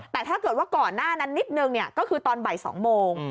แต่ถ้าเกิดว่าก่อนหน้านั้นนิดนึงก็คือตอนบ่าย๒โมง